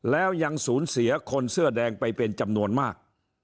แล้วยังสูญเสียคนเสื้อแดงไปเป็นจำนวนมาก